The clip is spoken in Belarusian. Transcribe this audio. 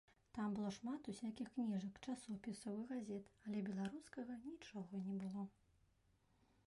Там было шмат усякіх кніжак, часопісаў і газет, але беларускага нічога не было.